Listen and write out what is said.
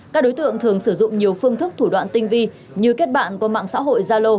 các đối tượng thường sử dụng nhiều phương thức thủ đoạn tinh vi như kết bạn qua mạng xã hội zalo